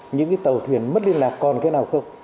những cái tàu thuyền mất liên lạc còn cái nào không